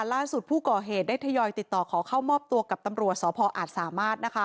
ล่าสุดผู้ก่อเหตุได้ทยอยติดต่อขอเข้ามอบตัวกับตำรวจสพอาจสามารถ